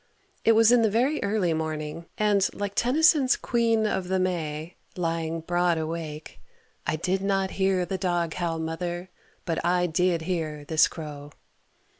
It was in the very early morning, and like Tennyson's "Queen of the May" lying broad awake "I did not hear the dog howl, mother, but I did hear this crow."